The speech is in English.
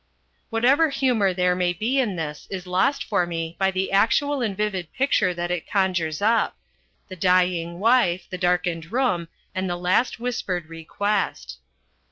Whatever humour there may be in this is lost for me by the actual and vivid picture that it conjures up the dying wife, the darkened room and the last whispered request.